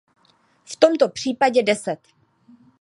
V tomto případě deset.